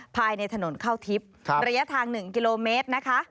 ภายในถนนเข้าทิพย์ระยะทาง๑กิโลเมตรนะคะ